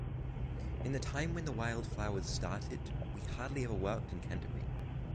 In the time when the Wilde Flowers started we hardly ever worked in Canterbury.